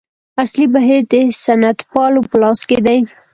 اصلي بهیر د سنتپالو په لاس کې دی.